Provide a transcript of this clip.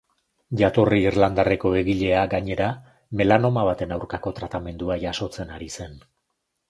Jatorri irlandarreko egilea, gainera, melanoma baten aurkako tratamendua jasotzen ari zen.